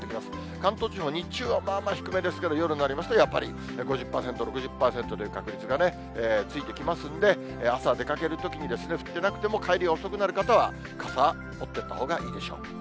関東地方、日中はまあまあ低めですけれども、夜になりますと、やっぱり５０％、６０％という確率がついてきますので、あすは出かけるときに降ってなくても、帰りが遅くなる方は、傘を持っていったほうがいいでしょう。